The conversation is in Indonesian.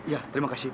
ya terima kasih